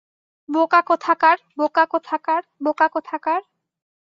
বোকা কোথাকার, বোকা কোথাকার, বোকা কোথাকার!